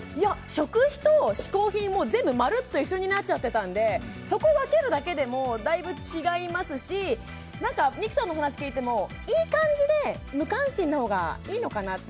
食費と嗜好品が全部まるっと一緒になっちゃってたのでそこを分けるだけでもだいぶ違いますし三木さんの話を聞いてもいい感じで無関心なほうがいいのかなって。